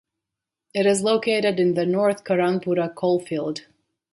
It is located in the North Karanpura Coalfield.